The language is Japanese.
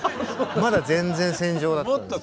まだ全然戦場だったんです。